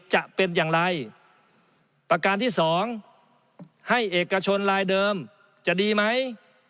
จะเป็นอย่างไรประการที่สองให้เอกชนลายเดิมจะดีไหม